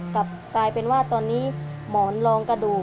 ต่อมาก็ถึงว่าตอนนี้หมอนลองกระดูก